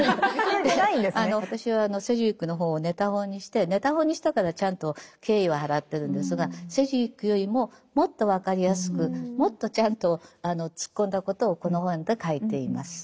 私はセジウィックの本をネタ本にしてネタ本にしたからちゃんと敬意は払ってるんですがセジウィックよりももっと分かりやすくもっとちゃんと突っ込んだことをこの本で書いています。